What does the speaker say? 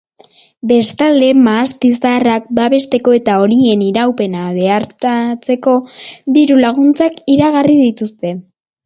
Bestalde, mahasti zaharrak babesteko eta horien iraupena bermatzeko diru-laguntzak iragarri dituzte.